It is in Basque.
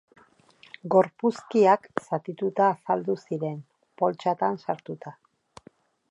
Gorpuzkiak zatituta azaldu ziren, poltsatan sartuta.